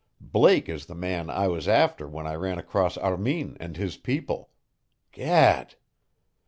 Blake is the man I was after when I ran across Armin and his people. GAD!"